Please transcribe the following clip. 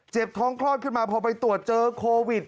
ท้องคลอดขึ้นมาพอไปตรวจเจอโควิด